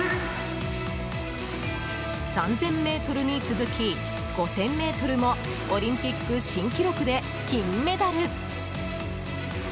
３０００ｍに続き５０００ｍもオリンピック新記録で金メダル！